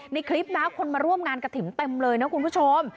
ในคลิปนะคนมาร่วมงานกระถิ่นเต็มเลยนะคุณผู้ชม